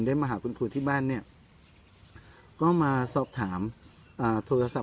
มาหาคุณครูที่บ้านเนี่ยก็มาสอบถามอ่าโทรศัพท์